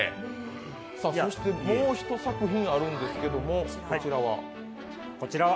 そしてもう一作品あるんですけど、そちらは？